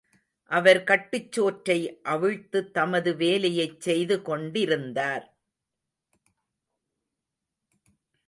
அவர் கட்டுச்சோற்றை அவிழ்த்துத் தமது வேலையைச் செய்து கொண்டிருந்தார்.